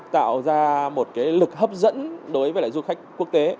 tạo ra một lực hấp dẫn đối với lại du khách quốc tế